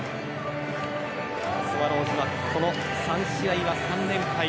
スワローズはこの３試合は３連敗。